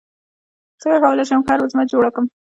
څنګه کولی شم ښه رزومه جوړ کړم